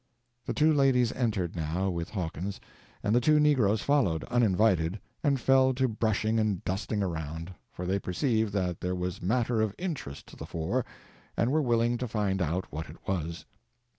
The two ladies entered, now, with Hawkins, and the two negroes followed, uninvited, and fell to brushing and dusting around, for they perceived that there was matter of interest to the fore, and were willing to find out what it was.